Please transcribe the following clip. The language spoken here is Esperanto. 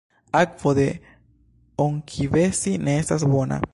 Akvo de Onkivesi ne estas bona.